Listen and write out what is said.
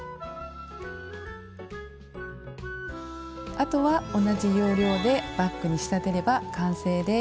あとは同じ要領でバッグに仕立てれば完成です。